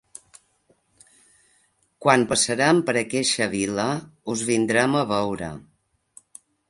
Quan passarem per aqueixa vila us vindrem a veure.